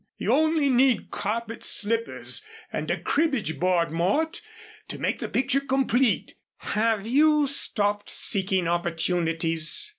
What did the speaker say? You only need carpet slippers and a cribbage board, Mort, to make the picture complete. Have you stopped seeking opportunities?"